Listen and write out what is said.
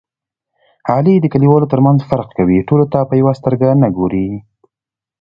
علي د کلیوالو ترمنځ فرق کوي. ټولو ته په یوه سترګه نه ګوري.